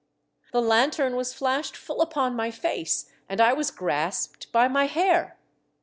The lanthorn was flashed full upon my face and I was grasped by my hair.